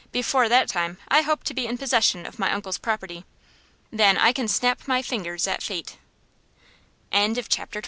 Before that time I hope to be in possession of my uncle's property. Then I can snap my fingers at fate." Chapter XXI. A Seasick Passenger.